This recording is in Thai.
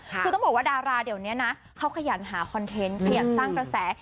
คือต้องบอกว่าดาราเดี๋ยวนี้นะเขาขยันหาคอนเทนต์ขยันสร้างกระแส